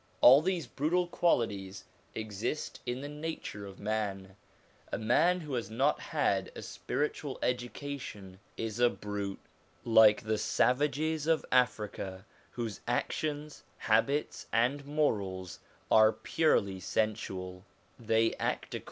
All these brutal qualities exist in the nature of man. A man who has not had a spiritual education is a brute. Like the savages of Africa, whose actions, habits, and morals are purely sensual, they act accord 1 Abu'l bashar, i.